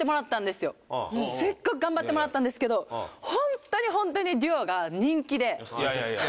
すっごく頑張ってもらったんですけどホントにホントにいやいやいや・